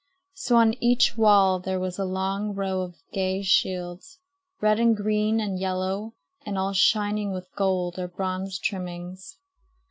So on each wall there was a long row of gay shields, red and green and yellow, and all shining with gold or bronze trimmings.